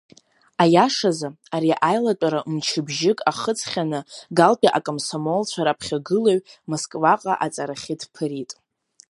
Аиашазы, ари аилатәара мчыбжьык ахыҵхьаны Галтәи акомсомолцәа раԥхьагылаҩ Москваҟа аҵарахьы дԥырит.